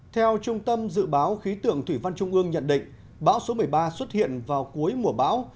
theo trung tâm dự báo khí tượng thủy văn trung ương nhận định bão số một mươi ba xuất hiện vào cuối mùa bão